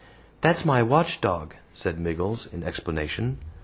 "That's my watch dog," said Miggles, in explanation.